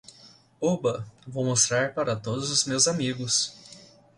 Oba, vou mostrar para todos os meus amigos.